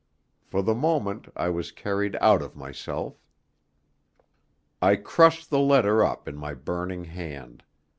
For the moment I was carried out of myself. I crushed the letter up in my burning hand.